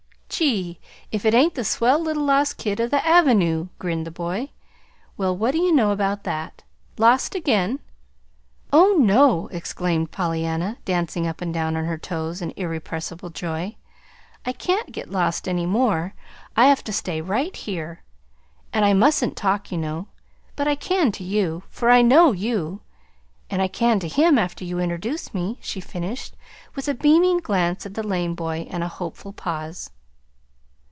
"Gee, if it ain't the swell little lost kid of the AveNOO!" grinned the boy. "Well, what do you know about that! Lost again?" "Oh, no!" exclaimed Pollyanna, dancing up and down on her toes in irrepressible joy. "I can't get lost any more I have to stay right here. And I mustn't talk, you know. But I can to you, for I KNOW you; and I can to him after you introduce me," she finished, with a beaming glance at the lame boy, and a hopeful pause.